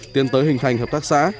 tiến tới hình thành hợp tác xã